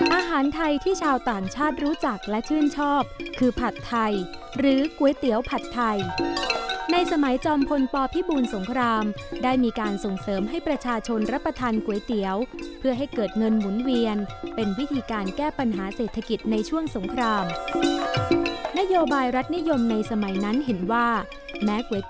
อาหารไทยที่ชาวต่างชาติรู้จักและชื่นชอบคือผัดไทยหรือก๋วยเตี๋ยวผัดไทยในสมัยจอมพลปพิบูลสงครามได้มีการส่งเสริมให้ประชาชนรับประทานก๋วยเตี๋ยวเพื่อให้เกิดเงินหมุนเวียนเป็นวิธีการแก้ปัญหาเศรษฐกิจในช่วงสงครามนโยบายรัฐนิยมในสมัยนั้นเห็นว่าแม้ก๋ว